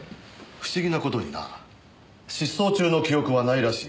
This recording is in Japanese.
不思議な事にな失踪中の記憶はないらしい。